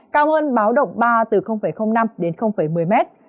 cao hơn báo động ba từ năm đến một mươi mét